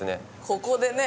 ここでね